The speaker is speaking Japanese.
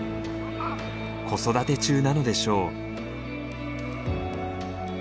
子育て中なのでしょう。